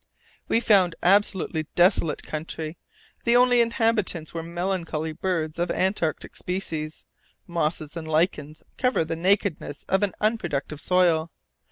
We found absolutely desolate country; the only inhabitants were melancholy birds of Antarctic species. Mosses and lichens cover the nakedness of an unproductive soil.